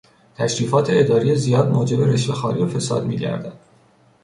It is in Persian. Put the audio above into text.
تشریفات اداری زیاد موجب رشوهخواری و فساد میگردد.